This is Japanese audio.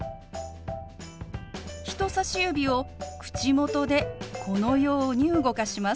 人さし指を口元でこのように動かします。